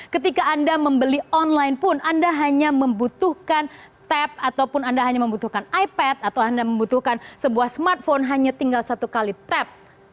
ketika anda membeli online pun anda hanya membutuhkan tap ataupun anda hanya membutuhkan ipad atau anda membutuhkan sebuah smartphone hanya tinggal satu kali tap